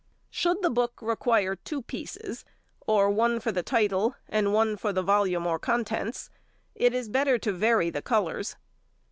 Should the book require two pieces—or one for the title, and one for the volume or contents—it is better to vary the colours.